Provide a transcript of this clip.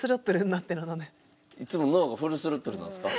いつも脳がフルスロットルなんですか？